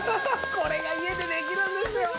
これが家でできるんですよ。